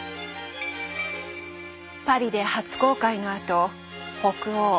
パリで初公開のあと北欧